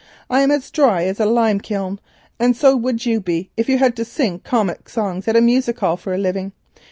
I am as dry as a lime kiln, and so would you be if you had to sing comic songs at a music hall for a living.